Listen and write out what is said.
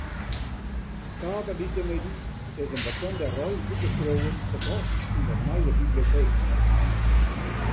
Saterdeitemiddei is in bekende reisboekeskriuwer te gast yn de nije biblioteek.